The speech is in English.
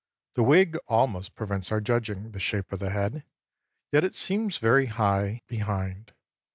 The wig almost prevents our judging the shape of the head, yet it seems very high behind.